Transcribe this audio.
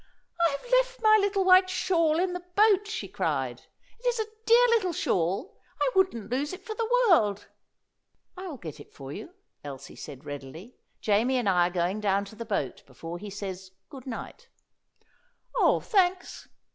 "I have left my little white shawl in the boat!" she cried. "It's a dear little shawl. I wouldn't lose it for the world." "I will get it for you," Elsie said readily. "Jamie and I are going down to the boat before he says 'Good night.'" "Oh, thanks!"